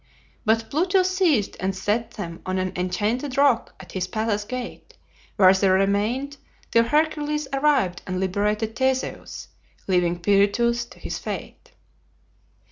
But Pluto seized and set them on an enchanted rock at his palace gate, where they remained till Hercules arrived and liberated Theseus, leaving Pirithous to his fate.